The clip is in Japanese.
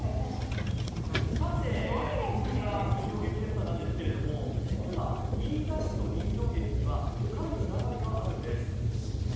さて、こちら人形劇フェスタなんですけれども実は飯田市と人形劇には深いつながりがあるんです。